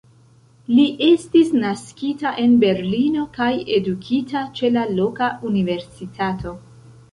Li estis naskita en Berlino kaj edukita ĉe la loka universitato.